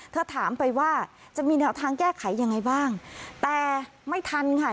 ถามไปว่าจะมีแนวทางแก้ไขยังไงบ้างแต่ไม่ทันค่ะ